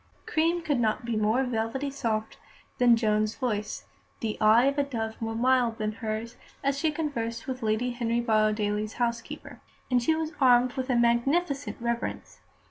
Cream could not be more velvety soft than Joan's voice, the eye of a dove more mild than hers, as she conversed with Lady Henry Borrowdaile's housekeeper. And she was armed with a magnificent reference.